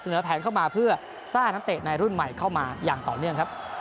แผนเข้ามาเพื่อสร้างนักเตะในรุ่นใหม่เข้ามาอย่างต่อเนื่องครับ